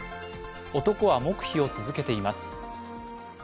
男は黙秘を続けています。